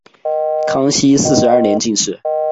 康熙四十二年进士。